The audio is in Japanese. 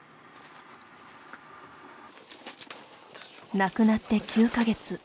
亡くなって９か月。